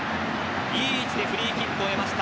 いい位置でフリーキックを得ました。